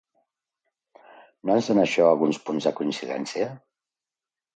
No ens dóna això alguns punts de coincidència?